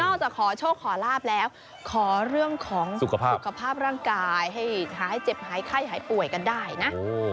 จากขอโชคขอลาบแล้วขอเรื่องของสุขภาพสุขภาพร่างกายให้หายเจ็บหายไข้หายป่วยกันได้นะ